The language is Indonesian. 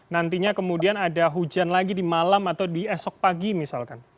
nantinya kemudian ada hujan lagi di malam atau di esok pagi misalkan